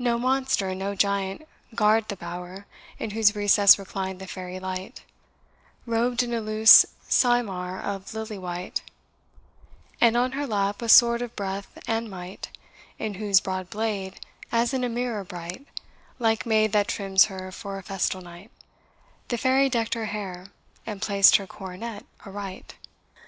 No monster and no giant guard the bower In whose recess reclined the fairy light, Robed in a loose cymar of lily white, And on her lap a sword of breadth and might, In whose broad blade, as in a mirror bright, Like maid that trims her for a festal night, The fairy deck'd her hair, and placed her coronet aright.